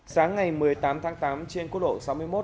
sáng ngày một mươi tám tháng tám trên quốc độ sáu mươi năm